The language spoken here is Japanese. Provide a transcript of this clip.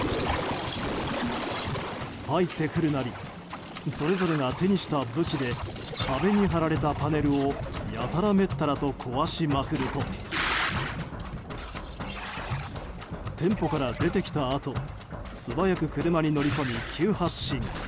入ってくるなりそれぞれが手にした武器で壁に貼られたパネルをやたらめったらと壊しまくると店舗から出てきたあと素早く車に乗り込み急発進。